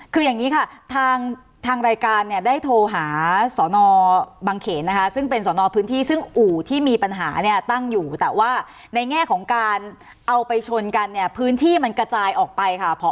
คืออย่างนี้ค่ะทางรายการเนี่ยได้โทรหาสอนอบังเขนนะคะซึ่งเป็นสอนอพื้นที่ซึ่งอู่ที่มีปัญหาเนี่ยตั้งอยู่แต่ว่าในแง่ของการเอาไปชนกันเนี่ยพื้นที่มันกระจายออกไปค่ะ